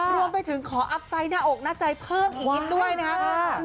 รวมไปถึงขออัพไซต์หน้าอกหน้าใจเพิ่มอีกนิดด้วยนะครับ